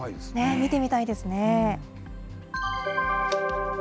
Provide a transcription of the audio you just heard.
見てみたいですね。